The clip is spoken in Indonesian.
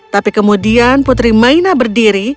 tapi kemudian putri maina berdiri